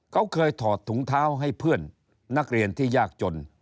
เขาเคยถอดถุงเท้าให้เพื่อนนักเรียนที่ยากจน